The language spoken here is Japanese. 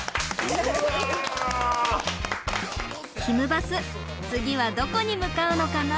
バス次はどこに向かうのかな？